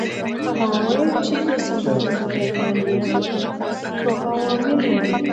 هغه وویل چې د سړو اوبو فعالیت څو عوامل لري.